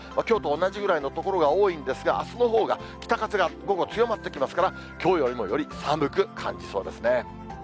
きょうと同じぐらいの所が多いんですが、あすのほうが北風が午後、強まってきますから、きょうよりもより寒く感じそうですね。